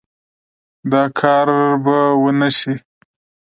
دا کار به ونشي